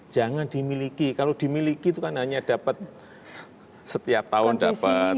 jangan dimiliki kalau dimiliki itu kan hanya dapat setiap tahun dapat